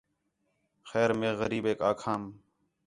خیر مے غریبیک آکھام